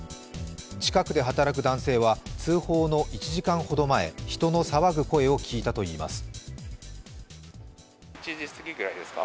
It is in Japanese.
近くで働く男性は、通報の１時間ほど前人の騒ぐ声を聞いたといいます。